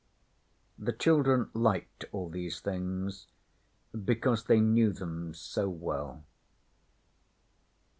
The children liked all these things because they knew them so well.